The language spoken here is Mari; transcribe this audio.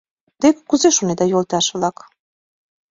Те кузе шонеда, йолташ-влак?